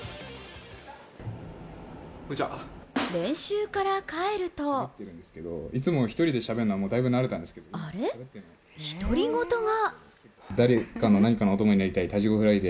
練習から帰るとあれ、独り言が？